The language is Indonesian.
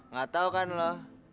gak tau kan lo